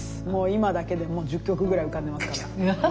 今だけで１０曲ぐらい浮かんでますから。